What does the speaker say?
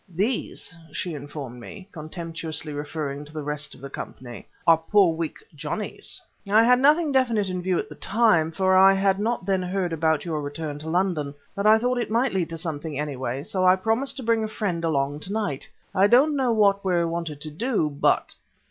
"'These,' she informed me, contemptuously referring to the rest of the company, 'are poor weak Johnnies!' "I had nothing definite in view at the time, for I had not then heard about your return to London, but I thought it might lead to something anyway, so I promised to bring a friend along to night. I don't know what we're wanted to do, but